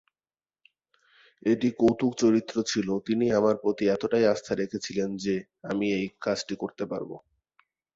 এটি কৌতুক চরিত্র ছিল, এবং তিনি আমার প্রতি এতটাই আস্থা রেখেছিলেন যে আমি এই কাজটি করতে পারব।